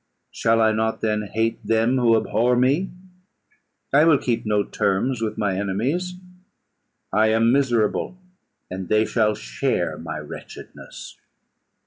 Shall I not then hate them who abhor me? I will keep no terms with my enemies. I am miserable, and they shall share my wretchedness.